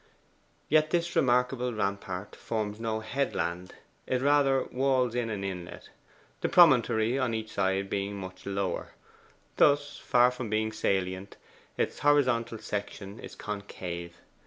Yet this remarkable rampart forms no headland: it rather walls in an inlet the promontory on each side being much lower. Thus, far from being salient, its horizontal section is concave.